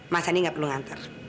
mas sandi nggak perlu nganter